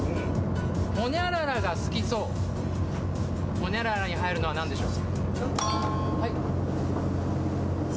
ホニャララに入るのは何でしょう？